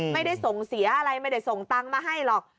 ไม่ได้ส่งเสียอะไรไม่ได้ส่งตังค์มาให้หรอก